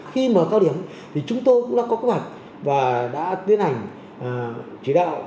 khi mở cao điểm thì chúng tôi cũng đã có kế hoạch và đã tiến hành chỉ đạo